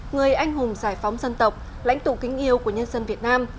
người anh hùng giải phóng dân tộc lãnh tụ kính yêu của nhân dân việt nam